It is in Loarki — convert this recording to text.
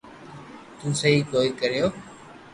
تي سھي ڪوئي ڪيريو